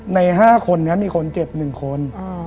ใน๕คนนี้มีคนเจ็บ๑คน